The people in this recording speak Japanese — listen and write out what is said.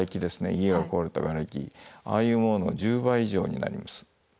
家が壊れたがれきああいうものの１０倍以上になります。